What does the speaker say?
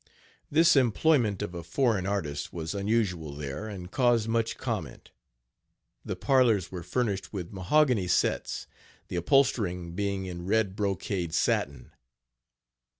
This employment of a foreign artist was unusual there and caused much comment. The parlors were furnished with mahogany sets, the upholstering being in red brocade satin.